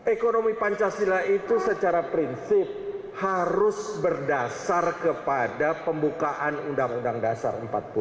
ekonomi pancasila itu secara prinsip harus berdasar kepada pembukaan undang undang dasar empat puluh lima